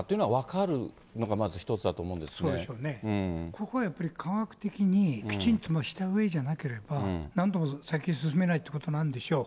ここはやっぱり科学的にきちんとしたうえじゃなければ、なんとも先に進めないということなんでしょう。